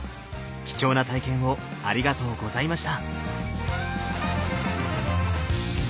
貴重な体験をありがとうございました。